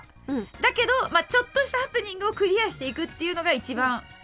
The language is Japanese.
だけどちょっとしたハプニングをクリアしていくっていうのが一番何かいいかなっていう。